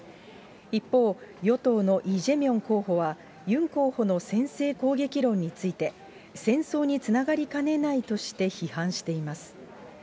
一方、与党のイ・ジェミョン候補は、ユン候補の先制攻撃論について、戦争につながりかねないとして批判しています。